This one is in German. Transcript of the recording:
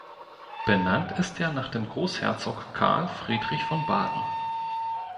Benannt ist er nach dem Großherzog Karl Friedrich von Baden.